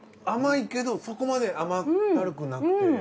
甘いけどそこまで甘ったるくなくて。